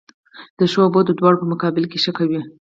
د ښو او بدو دواړو په مقابل کښي ښه کوئ!